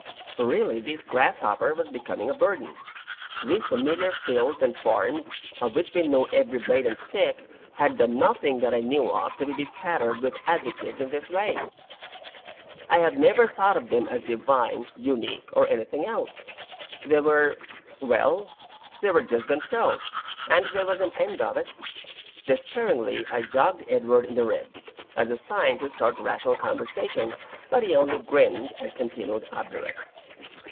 Really this grasshopper was becoming a burden. These familiar fields and farms, of which we knew every blade and stick, had done nothing that I knew of to be bespattered with adjectives in this way. I had never thought of them as divine, unique, or anything else. They were well, they were just themselves, and there was an end of it. Despairingly I jogged Edward in the ribs, as a sign to start rational conversation, but he only grinned and continued obdurate.